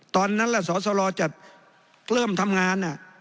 ตอนนั้นแหละศอจะเริ่มทำงานน่ะ